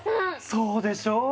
そうでしょう！